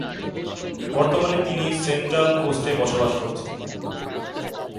বর্তমানে তিনি সেন্ট্রাল কোস্টে বসবাস করছেন।